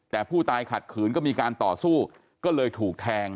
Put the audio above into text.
แต่ผู้ตายขัดขืนก็มีการต่อสู้ก็เลยถูกแทง